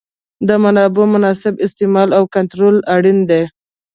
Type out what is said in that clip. د منابعو مناسب استعمال او کنټرولول اړین دي.